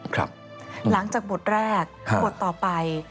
หลังจากบทแรกบทต่อไป